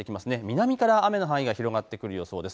南から雨の範囲が広がってくる予想です。